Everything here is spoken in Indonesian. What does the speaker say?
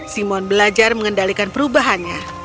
simon belajar mengendalikan perubahannya